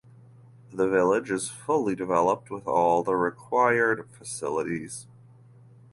The village is fully developed with all the required facilities.